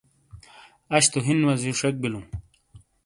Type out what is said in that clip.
اش تو ہن وزی شک بیلو ۔